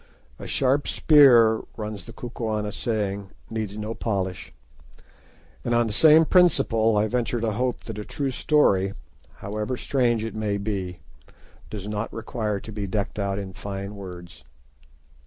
"A sharp spear," runs the Kukuana saying, "needs no polish"; and on the same principle I venture to hope that a true story, however strange it may be, does not require to be decked out in fine words.